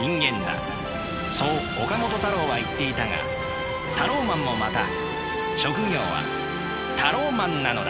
そう岡本太郎は言っていたがタローマンもまた職業はタローマンなのだ。